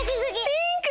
ピンク！